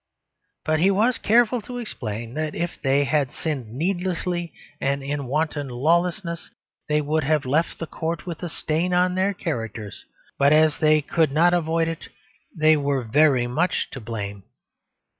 But he was careful to explain that if they had sinned needlessly and in wanton lawlessness, they would have left the court without a stain on their characters; but as they could not avoid it, they were very much to blame.